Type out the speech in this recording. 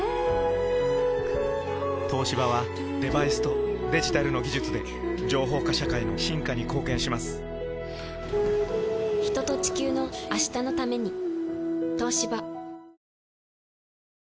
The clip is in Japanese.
東芝はデバイスとデジタルの技術で情報化社会の進化に貢献します人と、地球の、明日のために。